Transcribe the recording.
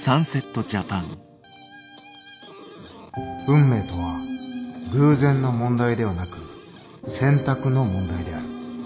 運命とは偶然の問題ではなく選択の問題である。